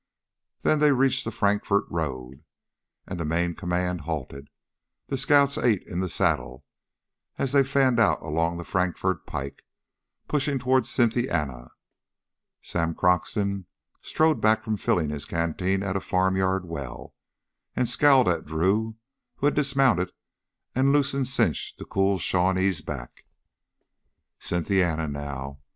Then they reached the Frankfort road, and the main command halted. The scouts ate in the saddle as they fanned out along the Frankfort pike, pushing toward Cynthiana. Sam Croxton strode back from filling his canteen at a farmyard well and scowled at Drew, who had dismounted and loosened cinch to cool Shawnee's back. "Cynthiana, now.